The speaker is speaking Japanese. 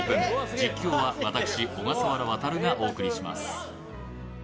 実況は私、小笠原亘がお送りします。